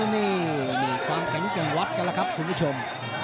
นี่ความแข็งแกร่งวัดกันแล้วครับคุณผู้ชม